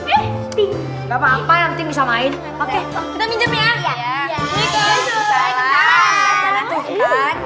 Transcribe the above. enggak apa apa nanti bisa main oke kita minjem ya